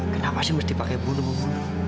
kenapa sih mesti pakai bunuh bunuh